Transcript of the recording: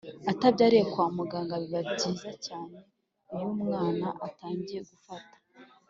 atabyariye kwa muganga Biba byiza cyane iyo umwana atangiye gufata